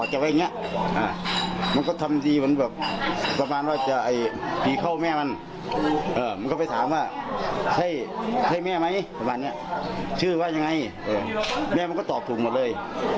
เฮ้ยเฮ้ยแม่ไหมแบบมั้ยเสมองเนี่ยเชื่อว่ายังไงแม่มั้ยก็ตอบถูกหมดเลย